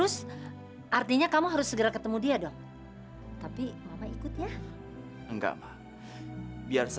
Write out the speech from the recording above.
saya harus kasih tau nelia